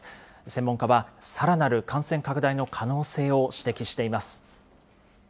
専門家は、さらなる感染拡大の可能性を指摘しています。